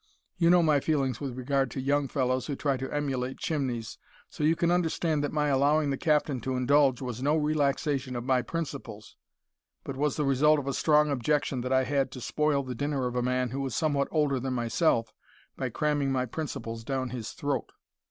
You know my feelings with regard to young fellows who try to emulate chimneys, so you can understand that my allowing the Captain to indulge was no relaxation of my principles, but was the result of a strong objection I had to spoil the dinner of a man who was somewhat older than myself by cramming my principles down his throat.